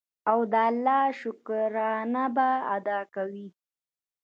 او د الله شکرانه به ادا کوي.